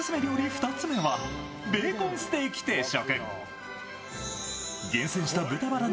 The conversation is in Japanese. ２つ目はベーコンステーキ定食。